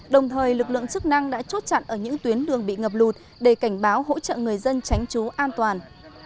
đồng thời lực lượng chức năng đã chốt chặn ở những tuyến đường bị ngập lụt để cảnh báo hỗ trợ người dân tránh trú an toàn